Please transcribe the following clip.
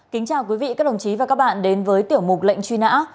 kính chào quý vị các đồng chí và các bạn đến với tiểu mục lệnh truy nã